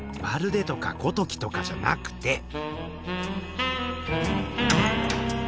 まるでとかごときとかじゃなくて。